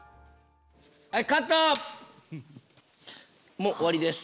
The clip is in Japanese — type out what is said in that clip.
もう終わりです。